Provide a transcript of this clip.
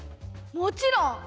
もちろん！